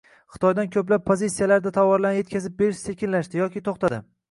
Xitoydan ko'plab pozitsiyalarda tovarlarni etkazib berish sekinlashdi yoki to'xtadi